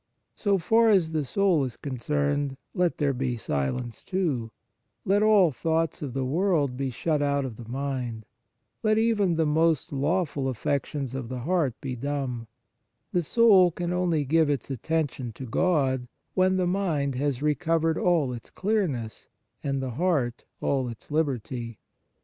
So far as the soul is concerned, let there be silence too ; let all thoughts of the world be shut out of the mind, let even the most lawful affections of the heart be dumb; the soul can only give its attention to God when the mind has recovered all its clearness and the heart all its liberty.